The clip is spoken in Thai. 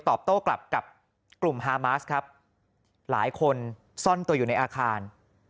โต้กลับกับกลุ่มฮามาสครับหลายคนซ่อนตัวอยู่ในอาคาร